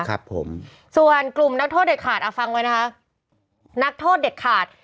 ครับผมส่วนกลุ่มนักโทษเด็ดขาดอ่ะฟังไว้นะคะนักโทษเด็ดขาด